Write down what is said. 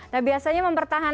nah biasanya mempertahankan